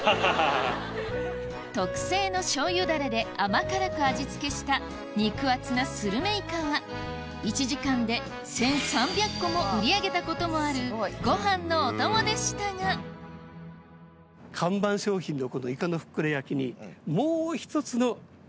特製のしょうゆダレで甘辛く味付けした肉厚なスルメイカは１時間で１３００個も売り上げたこともあるご飯のお供でしたが看板商品のこの「いかのふっくら焼」に。